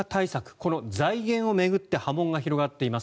この財源を巡って波紋が広がっています。